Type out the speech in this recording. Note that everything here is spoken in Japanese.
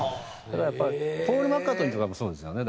だからやっぱりポール・マッカートニーとかもそうですよね。